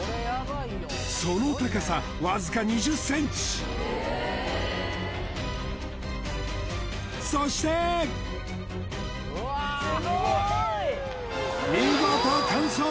その高さわずか２０ｃｍそして見事完走！